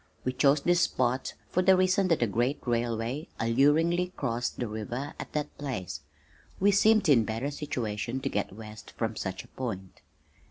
We chose this spot for the reason that a great railway alluringly crossed the river at that place. We seemed in better situation to get west from such a point.